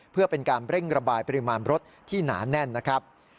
เพื่อเป็นการเร่งระบายปริมาณรถที่หนาแน่นนะครับ